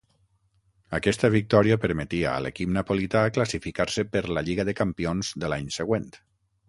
Aquesta victòria permetia a l'equip napolità classificar-se per la Lliga de Campions de l'any següent.